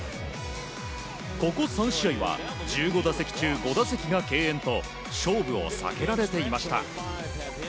ここ３試合は１５打席中５打席が敬遠と勝負を避けられていました。